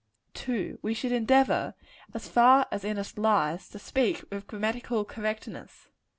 2. We should endeavor, as far as in us lies, to speak with grammatical correctness.